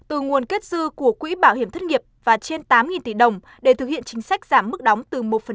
từ nguồn kết dư của quỹ bảo hiểm thất nghiệp và trên tám tỷ đồng để thực hiện chính sách giảm mức đóng từ một